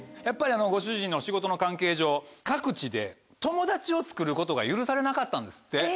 やっぱりご主人の仕事の関係上各地で友達をつくることが許されなかったんですって。